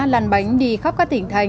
lăn bánh đi khắp các tỉnh thành